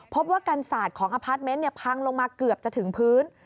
พบว่ากันศาสตร์ของอพาร์ทเมนต์พังลงมาเกือบจะถึงพื้น